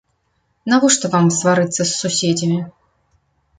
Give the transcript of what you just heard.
Навошта вам сварыцца з суседзямі.